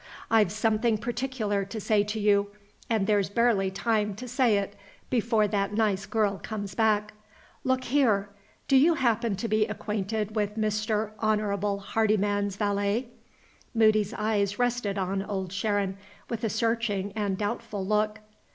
"I've something particular to say to you and there's barely time to say it before that nice girl comes back. Look here! Do you happen to be acquainted with Mr. Honorable Hardyman's valet?" Moody's eyes rested on Old Sharon with a searching and doubtful look.